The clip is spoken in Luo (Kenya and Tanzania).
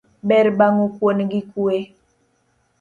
Ber bang'o kuon gi kwe.